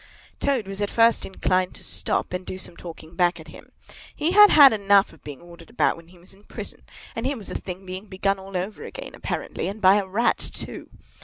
Toad was at first inclined to stop and do some talking back at him. He had had enough of being ordered about when he was in prison, and here was the thing being begun all over again, apparently; and by a Rat, too!